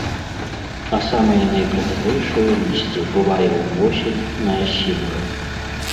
А самае найпрыгажэйшае лісце бывае ўвосень на асінах.